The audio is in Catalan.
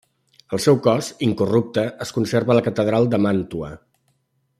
El seu cos, incorrupte, es conserva a la catedral de Màntua.